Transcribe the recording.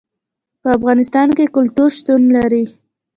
په افغانستان کې کلتور شتون لري.